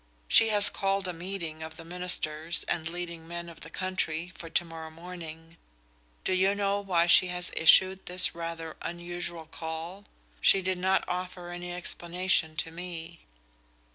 She has called a meeting of the ministers and leading men of the country for to morrow morning. Do you know why she has issued this rather unusual call? She did not offer any explanation to me."